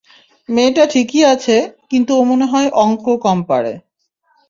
মেয়েটা ঠিকই আছে, কিন্তু ও মনে হয় অংক কম পারে।